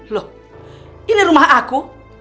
loh ini rumah aku